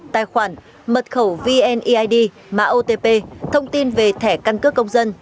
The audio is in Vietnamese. tài khoản mật khẩu vneid mã otp thông tin về thẻ căn cước công dân